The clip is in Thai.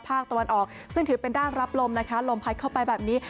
ภาคตะวันออกซึ่งถือเป็นด้านรับลมนะคะลมพัดเข้าไปแบบนี้